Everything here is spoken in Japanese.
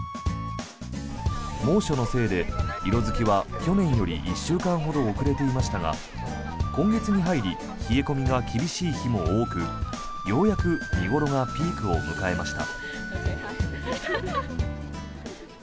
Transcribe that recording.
猛暑のせいで、色付きは去年より１週間ほど遅れていましたが今月に入り冷え込みが厳しい日も多くようやく見頃がピークを迎えました。